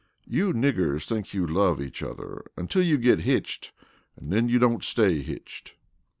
"You niggers think you love each other until you get hitched and then you don't stay hitched."